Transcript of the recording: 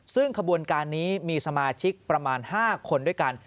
ซึ่งขบวนการนี้มีสมาชิกประมาณ๕คนด้วยกัน